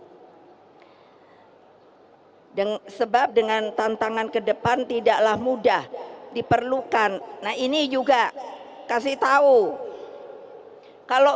hai dengan sebab dengan tantangan kedepan tidaklah mudah diperlukan nah ini juga kasih tahu kalau